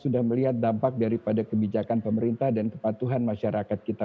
sudah melihat dampak daripada kebijakan pemerintah dan kepatuhan masyarakat kita